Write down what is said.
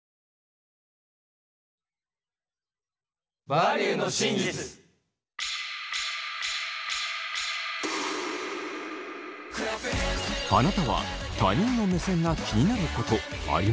あなたは他人の目線が気になることありませんか？